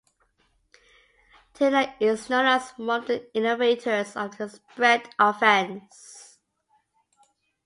Tiller is known as one of the innovators of the spread offense.